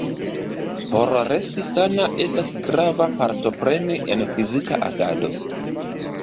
Por resti sana estas grava partopreni en fizika agado.